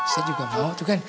saya juga mau itu kan